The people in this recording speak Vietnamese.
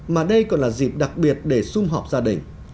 mà đây còn là dịp đặc biệt để xung họp gia đình